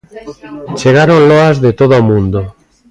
Chegaron loas de todo o mundo.